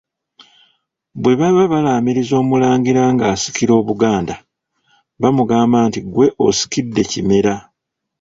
Bwe baba balaamiriza Omulangira ng'asikira Obuganda, bamugamba nti ggwe osikidde Kimera.